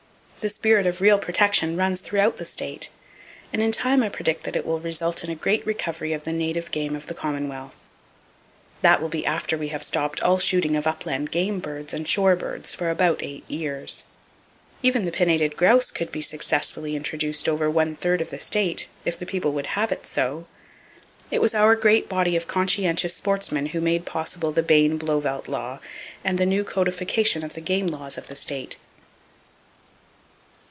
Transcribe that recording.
The spirit of real protection runs throughout the state, and in time I predict that it will result in a great recovery of the native game of the commonwealth. That will be after we have stopped all shooting of upland game birds and shore birds for about eight years. Even the pinnated grouse could be successfully introduced over one third of the state, if the people would have it so. It was our great body of conscientious sportsmen who made possible the Bayne Blauvelt law, and the new codification of the game laws of the state.